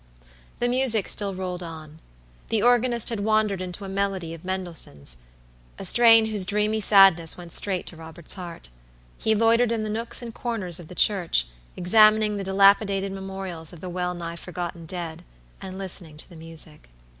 The music still rolled on. The organist had wandered into a melody of Mendelssohn's, a strain whose dreamy sadness went straight to Robert's heart. He loitered in the nooks and corners of the church, examining the dilapidated memorials of the well nigh forgotten dead, and listening to the music.